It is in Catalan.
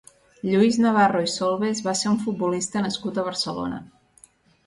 Lluís Navarro i Solves va ser un futbolista nascut a Barcelona.